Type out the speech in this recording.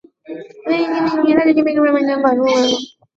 他学习本草学及中国药草相关书籍中所列约两千种植物特性。